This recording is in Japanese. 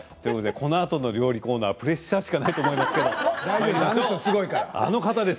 このあとの料理コーナーはプレッシャーがないと思いますけどあの方です。